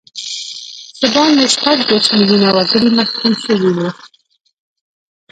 څه باندې شپږ دیرش میلیونه وګړي محکوم شوي وو.